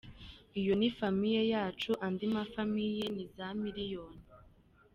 Iyo ni famille yacu andi ma famille ni za miliyoni”.